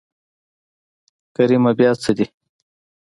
کريمه بيا څه دي.